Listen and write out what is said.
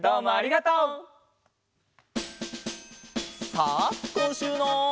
さあこんしゅうの。